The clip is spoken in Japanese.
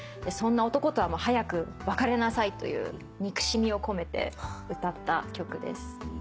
そんな男とは早く別れなさいという憎しみを込めて歌った曲です。